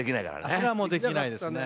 それはもうできないですね。